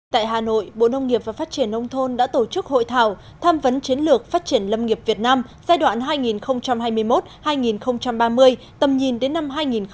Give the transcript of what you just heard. tại hà nội bộ nông nghiệp và phát triển nông thôn đã tổ chức hội thảo tham vấn chiến lược phát triển lâm nghiệp việt nam giai đoạn hai nghìn hai mươi một hai nghìn ba mươi tầm nhìn đến năm hai nghìn bốn mươi năm